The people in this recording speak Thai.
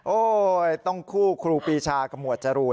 ต้องคู่ครูปีชากับหมวดจรูน